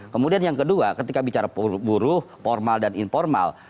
kemudian yang kedua ketika bicara buruh formal dan informal